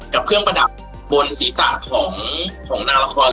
กับเครื่องประดับบนศีรษะของนางละคร